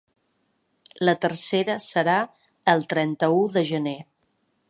La tercera serà el trenta-u de gener.